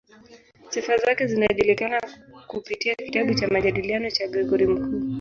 Sifa zake zinajulikana kupitia kitabu cha "Majadiliano" cha Gregori Mkuu.